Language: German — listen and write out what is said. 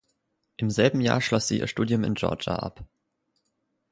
Im selben Jahr schloss sie ihr Studium in Georgia ab.